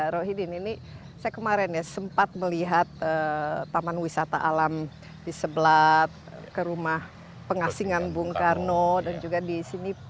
rohidin ini saya kemarin ya sempat melihat taman wisata alam di sebelah ke rumah pengasingan bung karno dan juga di sini